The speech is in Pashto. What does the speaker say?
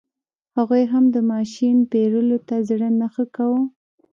هغوی هم د ماشین پېرلو ته زړه نه ښه کاوه.